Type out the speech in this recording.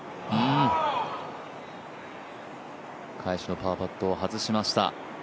返しのパーパットを外しました。